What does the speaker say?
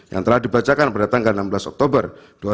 yang telah dibacakan pada tanggal enam belas oktober dua ribu dua puluh